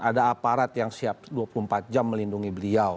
ada aparat yang siap dua puluh empat jam melindungi beliau